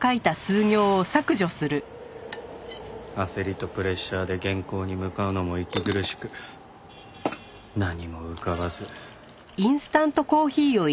焦りとプレッシャーで原稿に向かうのも息苦しく何も浮かばず。